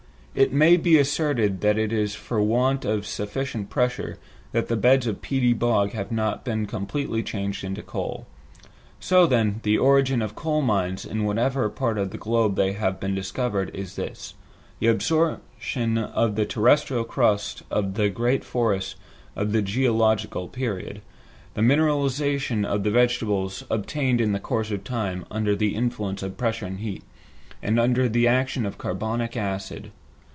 It may be asserted that it is for want of sufficient pressure that beds of peaty bog have not been completely changed into coal. So then, the origin of coal mines, in whatever part of the globe they have been discovered, is this: the absorption through the terrestrial crust of the great forests of the geological period; then, the mineralization of the vegetables obtained in the course of time, under the influence of pressure and heat, and under the action of carbonic acid.